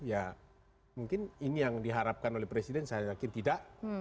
ya mungkin ini yang diharapkan oleh presiden saya yakin tidak